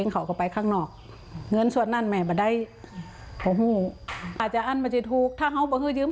ถ้าเขาเต็มใจกันอย่าไปตกลงราคากันเอง